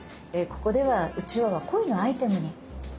ここではうちわは恋のアイテムになっている。